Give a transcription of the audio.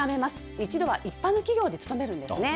一度は一般の企業に勤めるんですね。